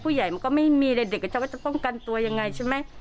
ผู้ใหญ่มันก็ไม่มีแต่เด็กก็จะป้องกันตัวยังไงใช่ไหม